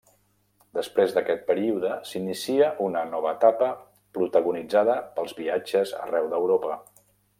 Després d'aquest període, s'inicia una nova etapa protagonitzada pels viatges arreu d'Europa.